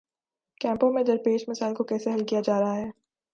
کیمپوں میں درپیش مسائل کو کیسے حل کیا جا رہا ہے؟